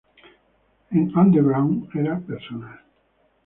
En Underground, era personal.